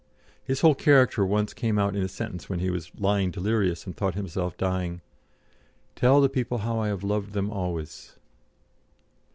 His whole character once came out in a sentence when he was lying delirious and thought himself dying: "Tell the people how I have loved them always."